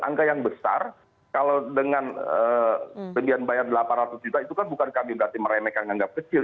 angka yang besar kalau dengan bayar delapan ratus juta itu kan bukan kami berarti meremehkan anggap kecil